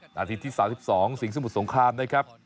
หน้าทีที่สามสิบสองสิงสมุดสงคามนะครับ